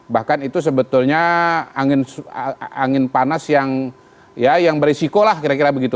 bahkan itu sebetulnya angin panas yang berisiko lah kira kira begitu